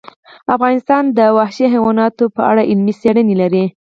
افغانستان د وحشي حیوانات په اړه علمي څېړنې لري.